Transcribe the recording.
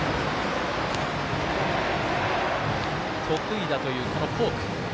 得意だというフォーク。